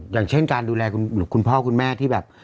อย่างเช่นการดูแลคุณพ่อคุณแม่ที่แบบ